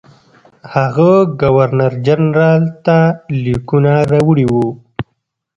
هغه ګورنرجنرال ته لیکونه راوړي وو.